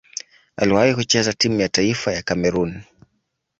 Aliwahi kucheza timu ya taifa ya Kamerun.